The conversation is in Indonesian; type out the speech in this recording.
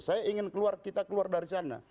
saya ingin keluar kita keluar dari sana